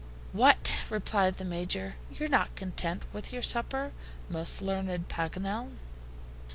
"What!" replied the Major. "You're not content with your supper, most learned Paganel."